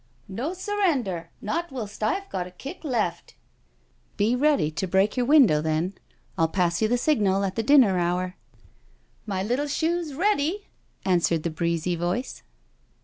" No surrender, not whilst I've got a kick left." " Be ready to break your window, then — 111 pass you the signal at the dinner hour." " My little shoe's ready/' answered the breezy voice.